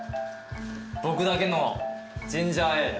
僕だけのジンジャーエール。